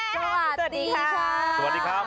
สวัสดีครับ